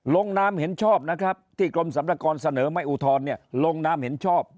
นามเห็นชอบนะครับที่กรมสรรพากรเสนอไม่อุทธรณ์ลงนามเห็นชอบ